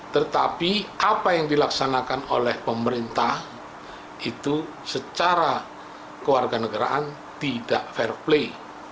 tetapi apa yang dilaksanakan oleh pemerintah itu secara keluarga negaraan tidak fair play